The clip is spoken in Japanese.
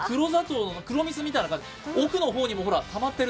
黒蜜みたいな感じ、奥の方にもたまってる。